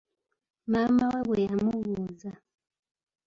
Maama we bwe yamubuuza.